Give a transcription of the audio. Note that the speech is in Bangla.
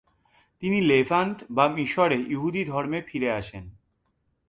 তিনি লেভান্ট বা মিশরে ইহুদি ধর্মে ফিরে আসেন।